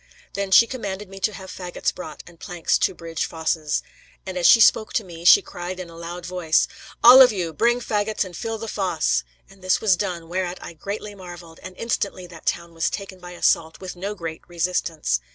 Then she commanded me to have fagots brought, and planks to bridge fosses. And as she spoke to me, she cried in a loud voice, 'All of you, bring fagots to fill the fosse.' And this was done, whereat I greatly marvelled, and instantly that town was taken by assault with no great resistance.